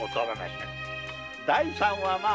第三はまぁ！